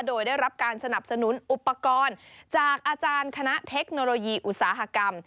โดยได้รับการสนับสนุนอุปกรณ์จากอาจารย์คณะเทคโนโลยีอุตสาหกรรม